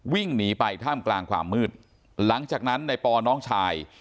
วิ่งหนีไปท่ามกลางความมืดหลังจากนั้นในปอน้องชาย